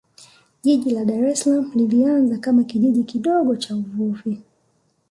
Jiji la Dar es Salaam lilianza kama Kijiji kidogo cha wavuvi